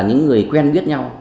những người quen biết nhau